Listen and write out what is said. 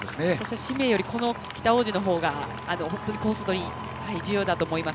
紫明より北大路の方が本当にコースのとり方が重要だと思います。